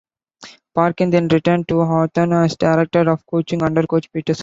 Parkin then returned to Hawthorn as director of coaching under coach Peter Schwab.